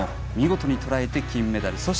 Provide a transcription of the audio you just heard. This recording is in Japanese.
見事にとらえて金メダル。